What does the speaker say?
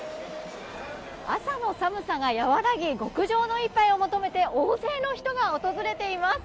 朝の寒さが和らぎ極上の１杯を求めて大勢の人が訪れています。